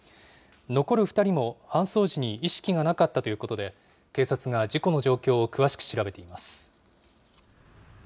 残る２人も搬送時に意識がなかったということで、警察が事故の状況を詳しく調べています。